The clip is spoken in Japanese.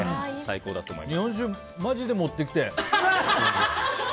日本酒、マジで持ってきて！